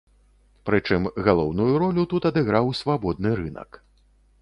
Прычым галоўную ролю тут адыграў свабодны рынак.